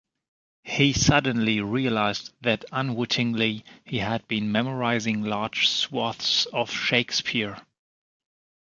He suddenly realized that, unwittingly, he had been memorizing large swathes of Shakespeare.